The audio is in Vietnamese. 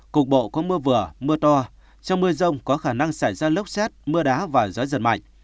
cục bộ có mưa vừa mưa to trong mưa rông có khả năng xảy ra lốc xét mưa đá và gió giật mạnh